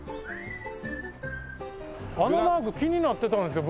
あのマーク気になってたんですよ